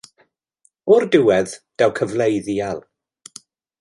O'r diwedd daw cyfle i ddial.